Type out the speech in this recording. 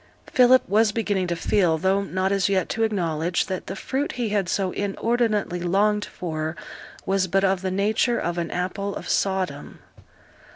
Philip was beginning to feel, though not as yet to acknowledge, that the fruit he had so inordinately longed for was but of the nature of an apple of Sodom.